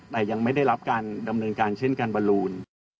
แต่ยังไม่ได้รับการดำเนินการเช่นการบรรลูน